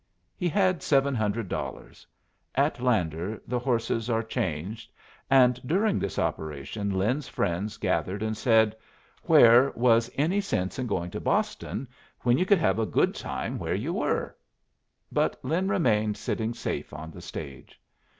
He had seven hundred dollars. At Lander the horses are changed; and during this operation Lin's friends gathered and said, where was any sense in going to Boston when you could have a good time where you were? But Lin remained sitting safe on the stage.